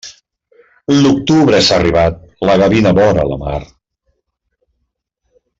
L'octubre és arribat, la gavina vora la mar.